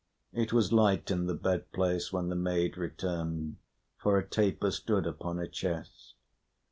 It was light in the bed place when the maid returned, for a taper stood upon a chest.